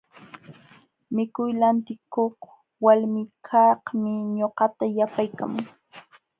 Mikuy lantikuq walmikaqmi ñuqata yapaykaman.